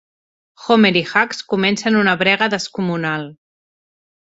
Homer i Hugs comencen una brega descomunal.